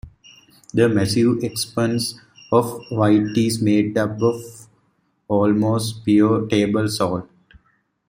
The massive expanse of white is made up of almost pure table salt.